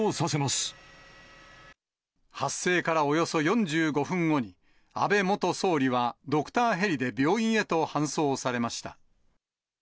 発生からおよそ４５分後に、安倍元総理はドクターヘリで病院へと搬送されました。